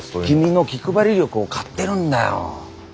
君の気配り力を買ってるんだよ。